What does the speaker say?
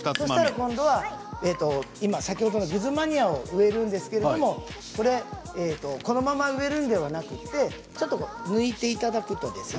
今度は先ほどのグズマニアを植えるんですけれどもこのまま植えるんではなくてちょっと抜いていただく。